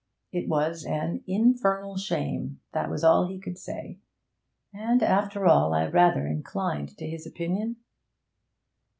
It was an 'infernal shame,' that was all he could say. And after all, I rather inclined to his opinion.